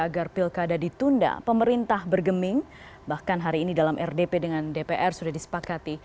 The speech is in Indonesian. agar pilkada ditunda pemerintah bergeming bahkan hari ini dalam rdp dengan dpr sudah disepakati